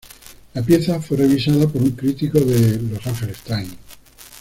La pieza fue revisada por un crítico de "Los Angeles Times".